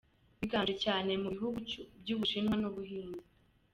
biganje cyane mu bihugu cy’ubushinwa n’ubuhinde.